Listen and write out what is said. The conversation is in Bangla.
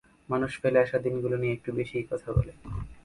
মানুষ ফেলে আসা দিনগুলো নিয়ে একটু বেশিই কথা বলে।